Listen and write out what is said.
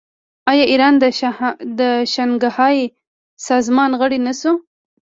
آیا ایران د شانګهای سازمان غړی نه شو؟